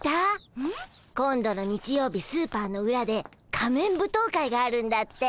うん？今度の日曜日スーパーのうらで仮面舞踏会があるんだって。